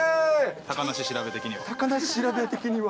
高梨調べ的には。